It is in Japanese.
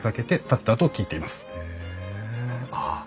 ああ